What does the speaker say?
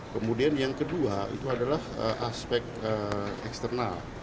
kemudian yang kedua itu adalah aspek eksternal